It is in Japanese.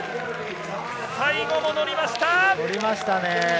最後も乗りました。